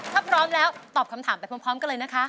ถ้าพร้อมแล้วตอบคำถามไปพร้อมกันเลยนะคะ